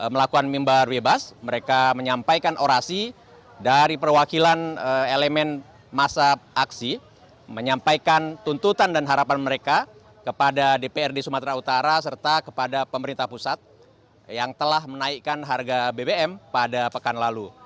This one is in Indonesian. melakukan mimbar bebas mereka menyampaikan orasi dari perwakilan elemen masa aksi menyampaikan tuntutan dan harapan mereka kepada dprd sumatera utara serta kepada pemerintah pusat yang telah menaikkan harga bbm pada pekan lalu